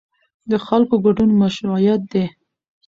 د خلکو ګډون مشروعیت دی